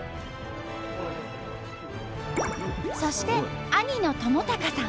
そして兄の智隆さん。